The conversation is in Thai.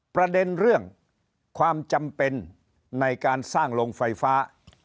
ประเด็นเรื่องความจำเป็นในการสร้างโรงไฟฟ้า